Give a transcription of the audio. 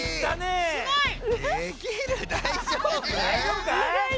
だいじょうぶかい？